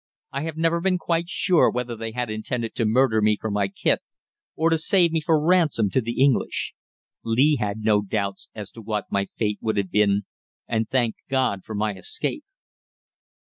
I have never been quite sure whether they had intended to murder me for my kit, or to save me for ransom to the English. Lee had no doubts as to what my fate would have been, and thanked God for my escape.